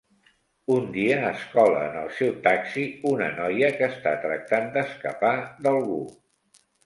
Un dia es cola en el seu taxi una noia, que està tractant d'escapar d'algú.